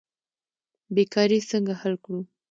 بیکاري څنګه حل کړو؟